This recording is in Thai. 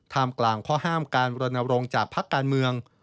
ท่ามกลางข้อห้ามการละลงจากภักดิ์การเมือง